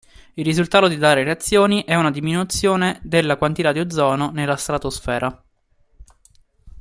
Il risultato di tali reazioni è una diminuzione della quantità di ozono nella stratosfera.